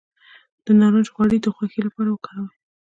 د نارنج غوړي د خوښۍ لپاره وکاروئ